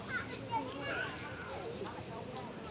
สวัสดีครับทุกคน